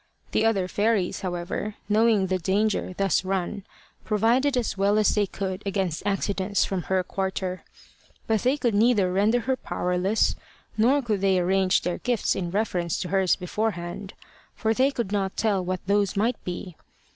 The other fairies, however, knowing the danger thus run, provided as well as they could against accidents from her quarter. But they could neither render her powerless, nor could they arrange their gifts in reference to hers beforehand, for they could not tell what those might be.